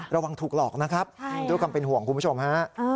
ระวังถูกหลอกนะครับด้วยความเป็นห่วงคุณผู้ชมฮะ